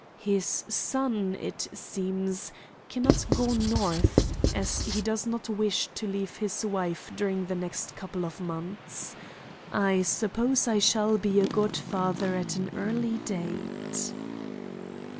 His son, it seems, cannot go North, as he does not wish to leave his wife during the next couple of months. I suppose I shall be a godfather at an early date."